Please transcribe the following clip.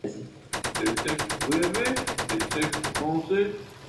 Des textes pour rêver, des textes pour penser.